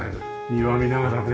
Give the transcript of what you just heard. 庭を見ながらね。